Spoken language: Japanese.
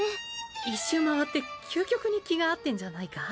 １周回って究極に気が合ってんじゃないか？